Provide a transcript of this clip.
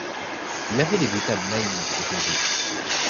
Il avait des boutades naïves et rusées.